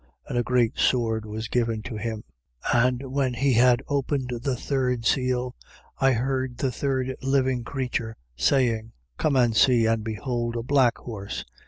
And a great sword was given to him. 6:5. And when he had opened the third seal, I heard the third living creature saying: Come and see. And behold a black horse.